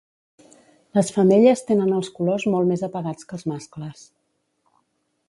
Les femelles tenen els colors molt més apagats que els mascles.